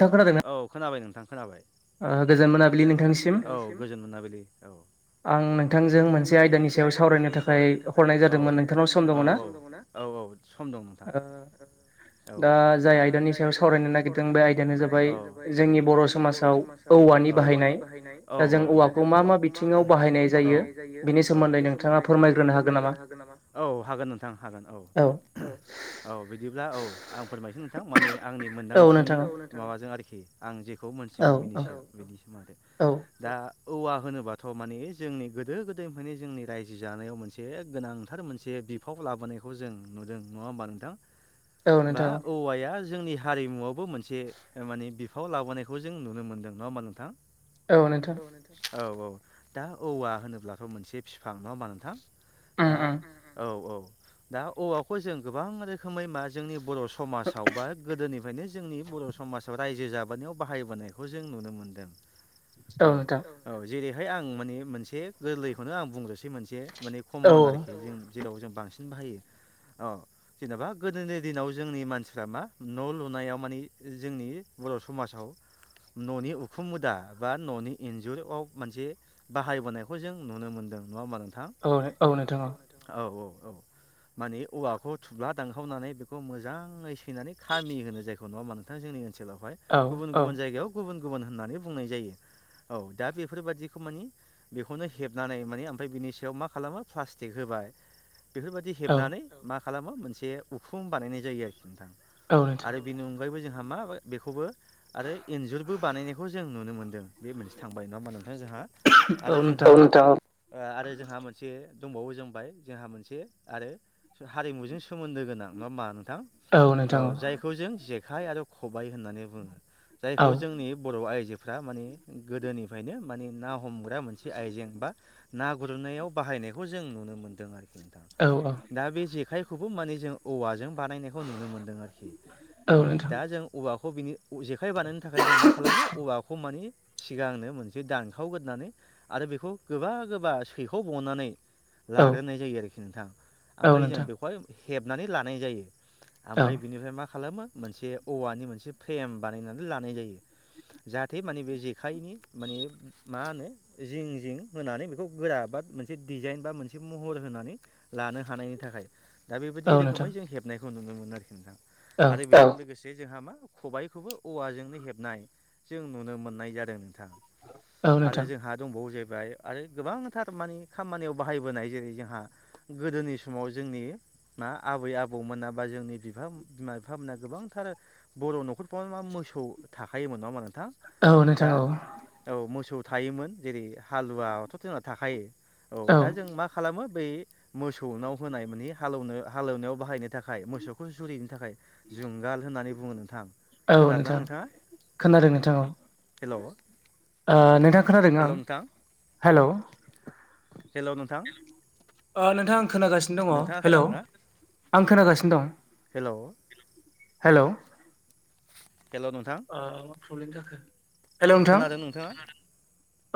नोंथां खोनादोंना औ खोनाबाय नोंथां खोनाबाय। ओ गोजोन मोनाबिलि नोंथांनिसिम औ गोजोन मोनाबलि औ। आं नोंथांजों मोनसे आयदानि सायाव सावरायनो थाखाय हरनाय जादोंमोन नोंथांनाव सम दङ ना? औ औ सम दं नोंथां। ओ दा जाय आयदानि सायाव सावरायनो नागिरदों बे आय बेनो जाबाय जोंनि बर' समाजाव औवानि बाहायनाय दा जों औवाखौ मा मा बिथिङाव बाहायनाय जायो बेनि सोमोन्दै नोंथाङा फोरमायग्रोनो हागोन नामा औ हागोन नोंथां हागोन औ। औ बिदिब्ला औ आं फोरमायसै नोंथां माने आंनि औ मोनदांथिनि नोंथां माबा माबाजों आरोखि आं जेखौ औ मोनथिगौ औ बिनिसै बिनि सोमोन्दै औ दा औवा होनोबाथ' माने जोंनि गोदो गोदायनिफ्रायनो जोंनि रायजो जानायाव मोनसे गोनांथार मोनसे बिफाव लाबोनायखौ जों नुदों नङा होमबा नोंथां? औ बा नोंथां औवाया जोंनि हारिमुआवबो मोनसे माने बिफाव लाबोनायखौ जों नुनो मोनदों नङा होमबा नोंथां औ नोंथां औ औ दा औवा होनोब्लाथ' मोनसे बिफां नङा होमबा नोंथां उम दा उम औ औ दा औवाखौ जों गोबां रोखोमै मा जोंनि बर' समाजाव बा गोदोनिफ्रायनो जोंनि बर' आसाम रायजो जाबोनायाव बाहायबोनायखौ जों नुनो मोनदों औ नोंथां औ जेरैहाय आं माने मोनसे गोरलैखौनो आं बुंग्रोसै मोनसे माने औ कमन आरोखि जों जेखौ जों बांसिन बाहायो अ जेनेबा गोदोनि दिनाव जोंनि मानसिफ्रा मा न' लुनायाव मानि जोंनि बर' समाजाव न'नि उखुम मुदा बा न'नि इन्जुरआव मोनसे बाहायबोनायखौ जों नुनो मोनदों नङा होमबा नोंथां औ औ नोंथां औ औ औ मानि औवाखौ थुब्ला दानखावनानै बेखौ मोजाङै सैनानै खामि होनो जाय नङा होमबा नोंथां जोंनि ओनसोलावहाय औ गुबुन गुबुन जायगायाव गुबुन गुबुन होननानै बुंनाय जायो औ दा बेफोरबायादिखौ मानि बेखौनो हेबनानै माने ओमफ्राय बिनि सायाव मा खालामो प्लास्टिक होबाय बेफोरबायदि औ हेबनानै मा खालामो मोनसे उखुम बानायनाय जायो आरोखि नोंथां औ नोंथां आरो बिनो अनगायैबो जोंहा मा बेखौबो आरो इन्जुरबो बानायनायखौ जों नुनो मोनदों बे मोनसे थांबाय नङा होमबा नोंथां जोंहा औ आरो जोंहा नोंथां आरो जोंहा मोनसे दंबावो जोंबाय जोंहा मोनसे आरो हारिमुजों सोमोन्दो गोनां नङा होमबा औ जायखौ जों जेखाय आरो खबाय होननानै बुङो जायखौ औ जोंनि बर' आयजोफ्रा गोदोनिफ्रायनो ना हमग्रा मोनसे आइजें बा ना गुरनायाव बाहायनायखौ जों नुनो मोनदों आरो औ औ दा बे जेखाइखौबो माने जों औवाजों बानायनायखौ नुनो मोन्दों आरोखि औ दा जों औवाखौ बिनि जेखाइ बानायनो थाखाय जों मा खालामो औवाखौ मानि सिगांनो मोनसे दानखावगोरनानै आरो बेखौ गोबा गोबा सैखावबावनानै औ लाग्रोनाय जायो आरोखि नोंथां औ ओमफ्राय जों नोंथां बेखौहाय हेबनानै लानाय जायो औ ओमफ्राय बिनिफ्राय मा खालामो मोनसे औवानि मोनसे फ्रेम बानायनानै लानाय जायो जाहाथे माने बे जेखाइनि माने मा होनो जिं जिं होनानै बेखौ गोरा बा मोनसे डिजाइन बा मोनसे महर होनानै लानो हानायनि थाखाय दा औ बेबायदि नोंथां रोखोमै जों हेबनायखौ नुनो मोनो आरोखि नोंथां औ आरो बेजों लोगोसे जे जोंहा मा खबाइखौबो औवाजोंनो हेबनाय जों नुनो मोननाय जादों औ आरो नोंथां जोंहा दंबावो जे आरो गोबांथार माने खामानियाव बाहायबोनाय जेरै जोंहा गोदोनि समाव जोंनि मा आबै आबौमोना बा जोंनि बिफा बिमा बिफा मोना गोबांथार बर' न'खरफ्राव मा मोसौ थाखायोमोन नङा होमबा नोंथां नोंथां औ नोंथां दा औ औ मोसौ थायोमोन जेरै हालुवायाथ' जोंना थाखायो औ दा जों मा खालामो बै मोसौनाव होनाय माने हालेवनो हालेवनायाव बाहायनो थाखाय मोसौखौ जुरिनो थाखाय जुंगाल होननानै बुङो नोंथां औ खोनादोंना नोंथां नोंथाङा खोनादों नोंथां औ हेल' नोंथां खोनादों आं हेल' हेल' नोंथां नोंथां खोनागासिनो दङ नोंथाङा हेलौ खोनादोंना आं खोनागासिनो हेलौ दं हेल' हेल' नोंथां प्रब्लेम जाखो खोनादों नोंथाङा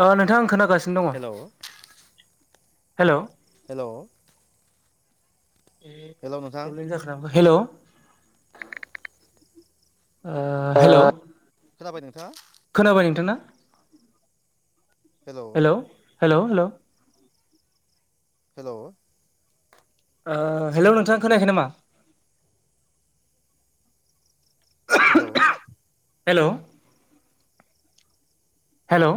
अ नोंथां खोनागास हेल' हेल' हेल' हे नोंथां प्रब्लेम जाखो ना माखो हेल' ओ हेल' खोनाबाय नोंथाङा खोनाबाय नोंथांना हेल' हेल' हेल' हेल' ओ हेल' नोंथाङा खोनायाखै नामा हेल' हेल' हेल'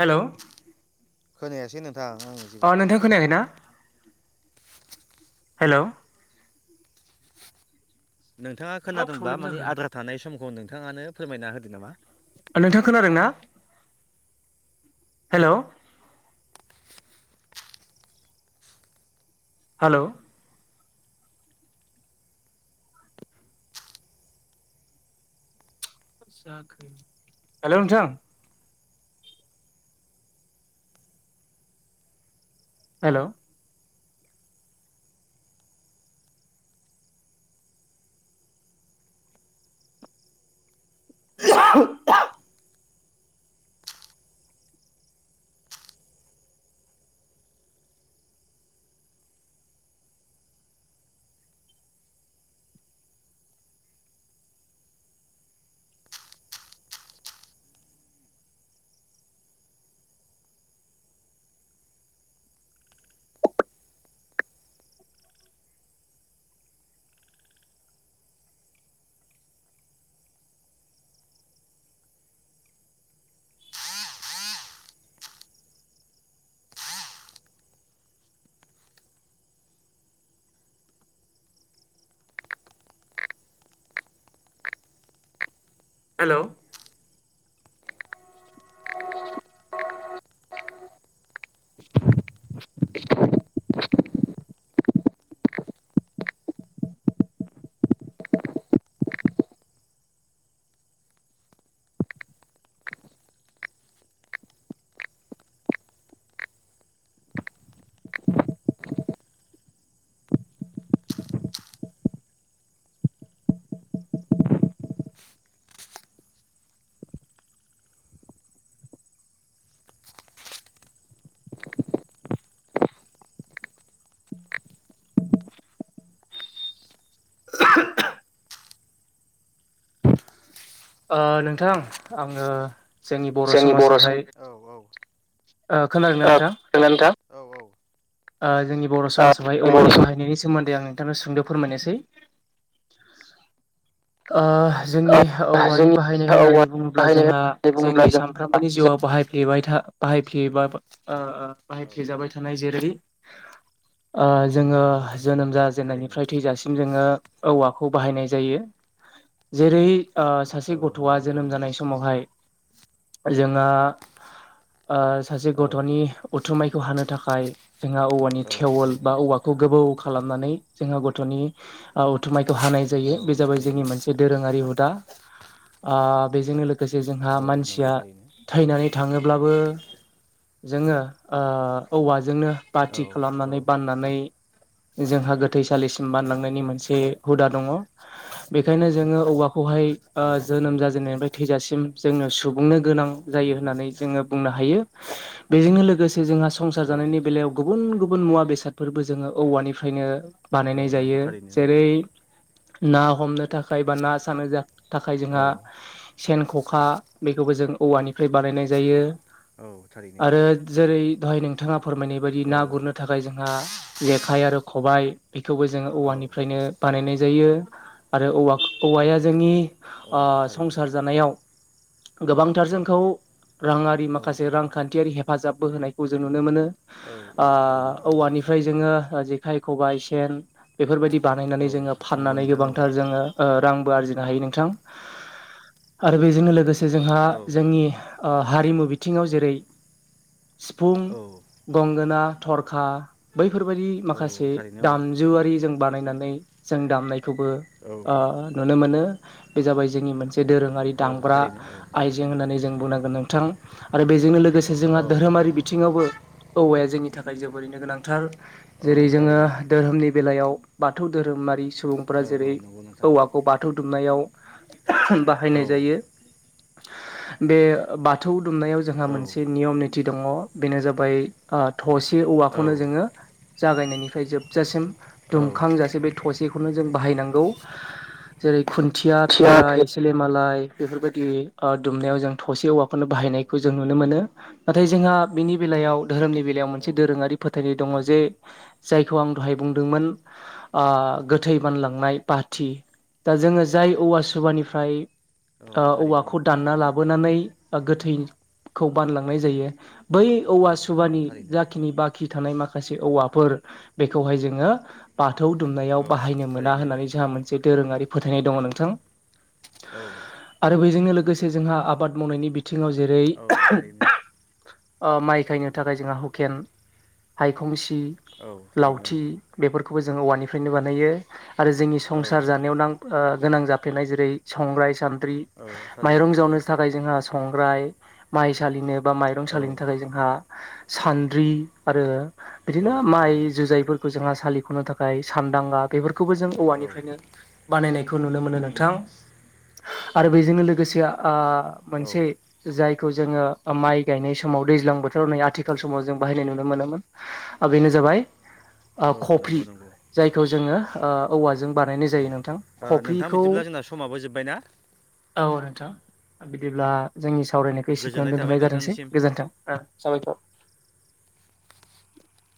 हेल' खोनायासै नों अ नोंथां खोनायाखै ना हेल' नोंथाङा मा खोनादोंब्ला प्रब्लेम मानि जाखो आद्रा थानाय समखौ नोंथाङानो फोरमायना होदो नामा नोंथां खोनादों ना हेल' हेल' हेल' नोंथां हेल' [unintelligible] [inaudible] हेल' [inaudible] [unintelligible] [unintelligible] [inaudible] ओ नोंथां आङो जोंनि बर' समाजावहाय ओ खोनादों ना नों थां औ औ ओ जोंनि बर' समाजावहाय बर' औवानि बाहायनायनि समाज सोमोन्दै आं नोंथांनाव सुंद' फोरमायनोसै औ जोंनि औवानि जोंनि बाहायनाय औवा होननानै बुङोब्ला बाहायनाय जोंहा होननानै बुङोब्ला जोंनि जों औ सानफ्रामबोनि जिउआव औ बाहायफ्लेबाय बाहायफेबाबा ओ ओ बाहायफ्लेजाबाय थानाय जेरै ओ जोङो जोनोम औ थारैनो जाजेननायनिफ्राय थैजासिम जोङो औवाखौ बाहायनाय जायो जेरै सासे औ गथ'आ नंगौ जोनोम थारैनो जानाय समावहाय जोङो सासे औ गथ'नि उथुमायखौ हानो थाखाय जोंहा औवानि औ थेवल थारैनो बा औवाखौ खौ गोबौ खालामनानै जोङो गथ'नि उथुमायखौ हानाय जायो बे औ जाबाय जोंनि थारैनो मोनसे दोरोङा हुदा बेजोंनो लोगोसे जोंहा औ नंगौ मानसिया थारैनो थैनानै थाङोब्लाबो जोङो ओ औवाजोंनो औ बाथि औ खालामनानै बाननानै जोंहा गोथैसालिसिम थारैनो बानलांनायनि औ मोनसे हुदा दङ बेखायनो जोङो औवाखौहाय ओ औ जोनोम जाजेननायनिफ्राय थैजासिम जोंङनो सुबुंनो गोनां जायो नंगौ होननानै जोङो बुंनो हायो बेजोंनो लोगोसे जोंहा संसार औ जानायनि बेलायाव गुबुन गुबुन मुवा बेसादफोरबो जोङो औवानिफ्रायनो औ बानायनाय नंगौ जायो थारैनो जेरै ना हमनो थाखाय बा ना सानो थाखाय औ जोंहा सेन ख'खा बेखौबो जों औवानिफ्राय बानायनाय जायो औ थारैनो आरो जेरै दहाय नोंथाङा फोरमायनाय बायदि औ ना गुरनो थाखाय जोंहा जेखाइ आरो खबायाइ बेखौबो जोंङो औ औवानिफ्रायनो बानायनाय जायो आरो औ औवाया जोंनि औ थारैनो संसार जानायाव गोबांथार जोंखौ राङारि औ माखासे रांखान्थियारि हेफाजाबबो होनायखौ जों नुनो मोनो औ औ थारैनो औवानि ओमफ्राय जोङो जेखाइ खबाइ सेन बेफोरबायदि बानायनानै औ जोङो नंगौ फाननानै नोंथां औ गोबांथार जोङो रांबो आरजिनो हायो नोंथां आरो बेजोंनो लोगोसे जोंहा औ जोंनि हारिमु बिथिङाव जेरै सिफुं औ गंगोना थरखा बैफोरबायदि औ माखासे माखासे थारैनो दामजुआरि जों बानायनानै जों दामनायखौबो औ नुनो मोनो बे जाबाय जोंनि मोनसे दोरोङारि औ दामग्रा थारैनो आइजें होननानै जों बुंनांगोन नोंथां आरो बेजोंनो लोगोसे जोंहा औ धोरोमारि बिथिङावबो औवाया जोंनि थाखाय जोबोरैनो गोनांथार औ जेरै जोङो थारैनो धोरोमनि बेलायाव बाथौ धोरोमारि सुबुंफोरा औ जेरै नंगौ नोंथां औवाखौ बाथौ हाबनायाव बाहायनाय औ जायो बे बाथौ दुमनायाव जोंहा औ मोनसे नियम निथि दङ बेनो जाबाय थसे औ औवाखौनो जोङो जागायनायनिफ्राय जोबजासिम औ दुमखांजासे बे थसेखौनो जों बाहायनांगौ जेरै खुन्थिया फेराइ सिलिमालाय बेफोरबायदि दुमनायाव जों थसे औवाखौनो बाहायनायखौ जों नुनो मोनो नाथाय जोंहा बिनि बे बेलायाव धोरोमनि बेलायाव मोनसे औ दोरोङारि फोथायनाय दङ जे थारैनो जायखौ आं दहाय बुंदोंमोन गोथै बानलांनाय बाथि दा जोङो जाय औवा सुबानिफ्राय औ औ थारैनो औवाखौ औ दानना लाबो लाबोनानै गोथै खौ बानलांनाय जायो बै औवा औ नंगौ सुबानि थारैनो जाखिनि बाखि थानाय माखासे औवाफोर बेखौहाय जोङो बाथौ दुमनायाव औ बाहायनो मोना थारैनो होननानै जोंहा मोनसे दोरोङारि फोथायनाय दङ नोंथां औ आरो बेजोंनो लोगोसे जोंहा आबाद मावनायनि बिथिङाव जेरै औ थारैनो माइ खायनो थाखाय जोंहा हुकेन हायखं सि औ थारैनो लावथि बेफोरखौबो जोङो औवानिफ्रायनो बानायो आरो जोंनि औ संसार जानायाव नां गोनां जाफेरनाय जेरै संग्राय सान्द्रि औ थारैनो माइरं जावनो थाखाय थाखाय जोंहा संग्राय माइ सालिनो बा माइरं सालिनो औ थाखाय जोंहा सान्द्रि आरो बिदिनो औ माइ थारैनो जुजायफोरखौ जोंहा सालिख'नो थाखाय सानदांगा बेफोरखौबो जों औवा औ निफ्रायनो बानायनायखौ नुनो मोनो नोंथां उम आरो बेजोंनो लोगोसे मोनसे औ जायखौ जोङो माइ गायनाय समाव दैज्लां बोथोराव नै आथिखाल समाव जों बाहायनाय नुनो मोनोमोन आरो बेनो जाबाय औ कफ्रि नंगौ नंगौ औ जायखौ जोङो औवाजों बानायनाय जायो नोंथां नोंथाङा खफ्रिखौ बिदिब्ला जोंना समाबो जोब्बाय ना औ नोंथां बिदिब्ला जोंनि सावरायनायखौ गोजोननाय सिखाङाव थाबाय दोनथ'नाय जादोंसै नोंथांनिसिम गोजोन्थों साबायथर [inaudible]